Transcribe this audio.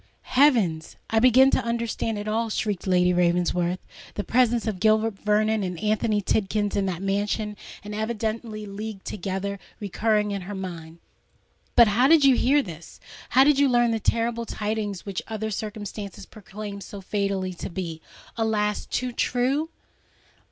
heavens—I begin to understand it all!" shrieked Lady Ravensworth, the presence of Gilbert Vernon and Anthony Tidkins in that mansion, and evidently leagued together, recurring to her mind. "But how did you hear this! how did you learn the terrible tidings which other circumstances proclaim so fatally to be, alas! too true?"